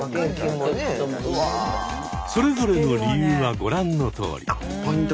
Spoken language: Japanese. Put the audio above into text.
それぞれの理由はご覧のとおり。